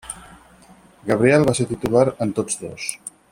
Gabriel va ser titular en tots dos.